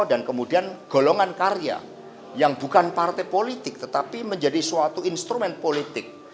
dan kemudian golongan karya yang bukan partai politik tetapi menjadi suatu instrumen politik